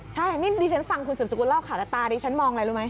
ใช่นี่ดิฉันฟังคุณสืบสกุลเล่าข่าวแต่ตาดิฉันมองอะไรรู้ไหม